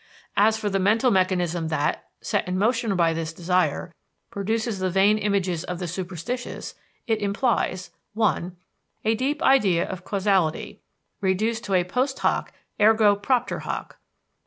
As for the mental mechanism that, set in motion by this desire, produces the vain images of the superstitious, it implies: (1) A deep idea of causality, reduced to a post hoc, ergo propter hoc.